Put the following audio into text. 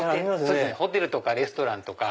ホテルとかレストランとか。